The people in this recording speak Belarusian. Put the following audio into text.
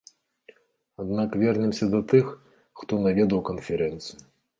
Аднак вернемся да тых, хто наведаў канферэнцыю.